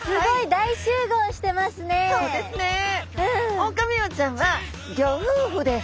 オオカミウオちゃんはギョ夫婦です。